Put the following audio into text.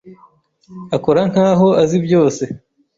Akora nkaho azi byose.